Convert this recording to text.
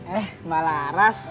eh mbak laras